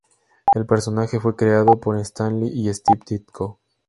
El personaje fue creado por Stan Lee y Steve Ditko.